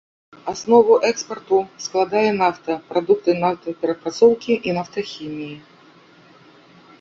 Аснову экспарту складае нафта, прадукты нафтаперапрацоўкі і нафтахіміі.